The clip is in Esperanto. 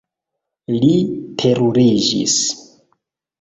Li teruriĝis.